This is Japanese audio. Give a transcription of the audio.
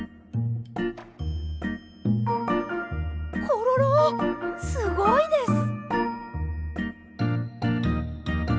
コロロすごいです。